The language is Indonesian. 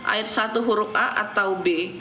ayat satu huruf a atau b